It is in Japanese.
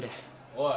おい。